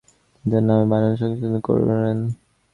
তিনি তার নামে বানান সংশোধন করেন।